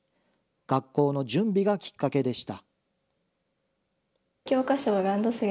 学校の準備がきっかけでした。